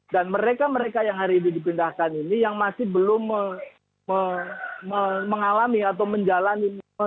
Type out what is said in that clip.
dan mereka mereka yang hari ini dipindahkan ini yang masih belum mengalami penyelidikan terorisme